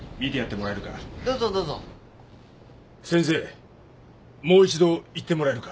もう一度言ってもらえるか？